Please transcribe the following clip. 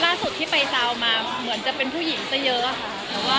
ล่าสุดที่ไปซาวมาเหมือนจะเป็นผู้หญิงซะเยอะค่ะ